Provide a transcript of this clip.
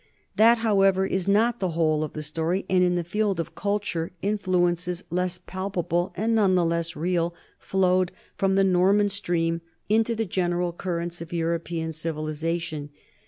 That, however, is not the whole of the story, and in the field of culture influences less palpable, but none the less real, flowed from the Norman stream into the general currents of European civilization.